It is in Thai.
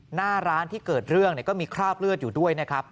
หน้าร้านที่เกิดเรื่องก็มีคราบเลือดอยู่ด้วยนะครับ